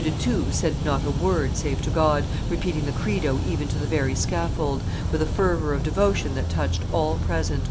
de Thou said not a word save to God, repeating the Credo even to the very scaffold, with a fervor of devotion that touched all present.